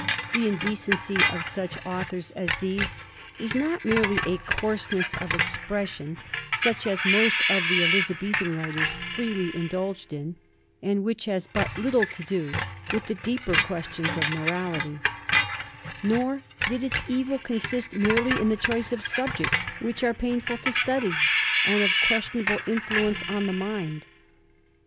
The indecency of such authors as these was not merely a coarseness of expression such as most of the Elizabethan writers freely indulged in, and which has but little to do with the deeper questions of morality; nor did its evil consist merely in the choice of subjects which are painful to study, and of questionable influence on the mind.